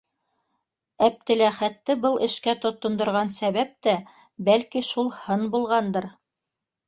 Әптеләхәтте был эшкә тотондорған сәбәп тә, бәлки, шул һын булғандыр.